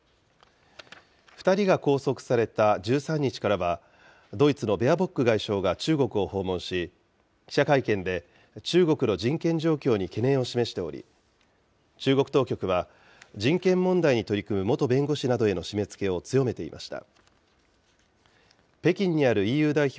２人が拘束された１３日からは、ドイツのベアボック外相が中国を訪問し、記者会見で、中国の人権状況に懸念を示しており、中国当局は、人権問題に取り組む元弁護士などへの締めつけを強めていました。